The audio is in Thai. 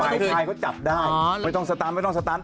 ฝ่ายชายก็จับได้ไม่ต้องสตั้น